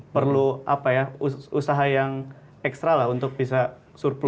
perlu usaha yang ekstra untuk bisa surplus